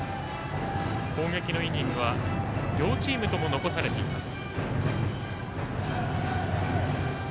攻撃のイニングは両チームとも残されています。